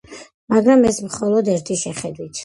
მაგრამ ეს მხოლოდ ერთი შეხედვით.